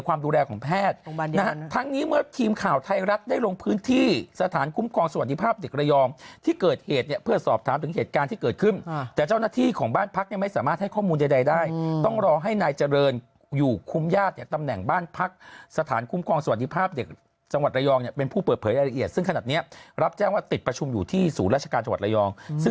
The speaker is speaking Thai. ในความดูแลของแพทย์ทั้งนี้เมื่อทีมข่าวไทยรัฐได้ลงพื้นที่สถานคุ้มกองสวัสดีภาพเด็กระยองที่เกิดเหตุเพื่อสอบถามถึงเหตุการณ์ที่เกิดขึ้นแต่เจ้าหน้าที่ของบ้านพักยังไม่สามารถให้ข้อมูลใดได้ต้องรอให้นายเจริญอยู่คุ้มญาติอย่างตำแหน่งบ้านพักสถานคุ้มกองสวัสดีภาพเด็กจังหวัดระยอง